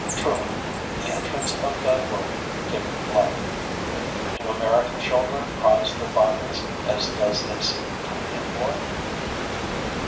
Truly, "the entrance of Thy word giveth light." Do American children prize their Bibles as does this Korean boy?